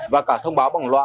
và cả thông báo bằng loại